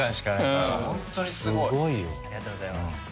すごいよ。ありがとうございます。